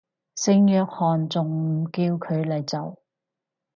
聖約翰仲唔叫佢嚟做